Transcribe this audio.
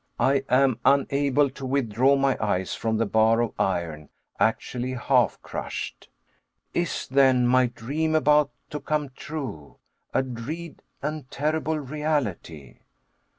I am unable to withdraw my eyes from the bar of iron, actually half crushed! Is, then, my dream about to come true a dread and terrible reality?